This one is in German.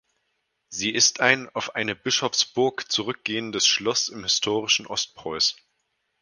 Sie ist ein auf eine Bischofsburg zurückgehendes Schloss im historischen Ostpreußen.